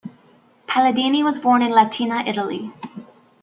Palladini was born in Latina, Italy.